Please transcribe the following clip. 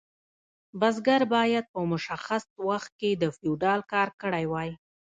بزګر باید په مشخص وخت کې د فیوډال کار کړی وای.